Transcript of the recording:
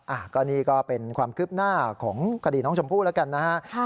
อ่ะก็นี่ก็เป็นความคืบหน้าของคดีน้องชมพู่แล้วกันนะฮะ